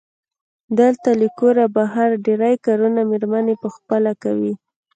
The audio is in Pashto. دلته له کوره بهر ډېری کارونه مېرمنې پخپله کوي.